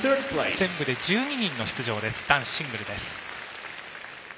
全部で１２人の出場です男子シングル。